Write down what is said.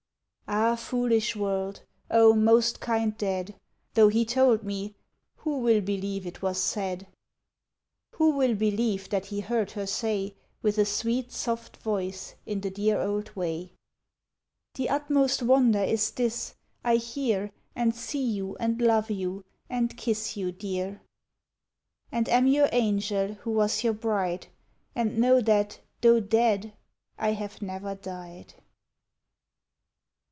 Ah, foolish world! O, most kind dead! Though he told me, who will believe it was said? Who will believe that he heard her say, With a sweet, soft voice, in the dear old way: "The utmost wonder is this, I hear, And see you, and love you, and kiss you, dear; "And am your angel, who was your bride, And know that, though dead, I have never died."